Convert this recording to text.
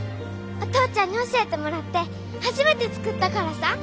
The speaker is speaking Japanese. お父ちゃんに教えてもらって初めて作ったからさ！